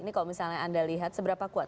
ini kalau misalnya anda lihat seberapa kuat